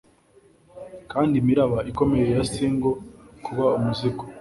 Kandi imiraba ikomeye ya single Kuba umuzingo